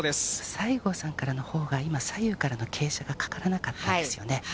西郷さんからのほうが、今、左右からの傾斜がかからなかったですよね。